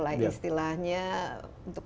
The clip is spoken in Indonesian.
lah istilahnya untuk